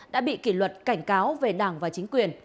đã bị kỷ luật cảnh cáo về đảng và chính quyền